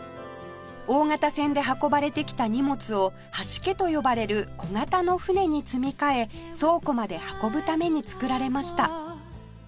大型船で運ばれてきた荷物をはしけと呼ばれる小型の船に積み替え倉庫まで運ぶために造られました